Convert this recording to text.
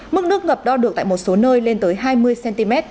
mức nước ngập đo được tại một số nơi lên tới hai mươi cm